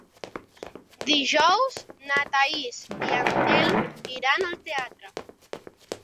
Dijous na Thaís i en Telm iran al teatre.